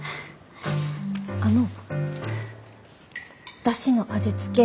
あの出汁の味付け